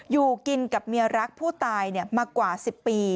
อยู่กินกับเมียรักผู้ตายมากว่า๑๐ปี